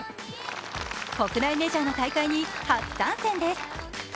国内メジャーの大会に初参戦です。